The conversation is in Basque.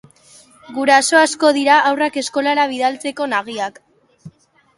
Guraso asko dira haurrak eskolara bidaltzeko nagiak.